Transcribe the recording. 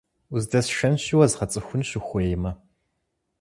Уздэсшэнщи, уэзгъэцӀыхунщ, ухуеймэ.